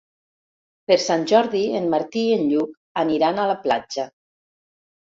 Per Sant Jordi en Martí i en Lluc aniran a la platja.